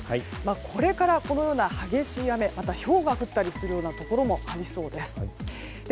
これからこのような激しい雨またひょうが降ったりするところがありそうです。